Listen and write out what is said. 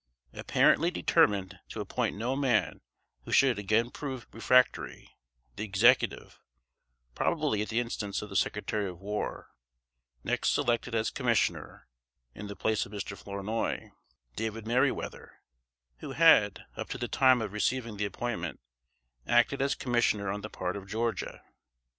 Apparently determined to appoint no man who should again prove refractory, the Executive probably at the instance of the Secretary of War next selected as commissioner, in the place of Mr. Flournoy, David Meriwether, who had, up to the time of receiving the appointment, acted as commissioner on the part of Georgia.